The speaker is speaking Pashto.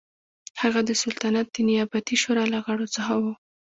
هغه د سلطنت د نیابتي شورا له غړو څخه و.